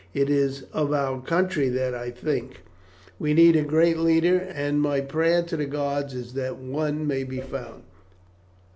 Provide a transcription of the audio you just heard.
It is of our country that I think. We need a great leader, and my prayer to the gods is that one may be found.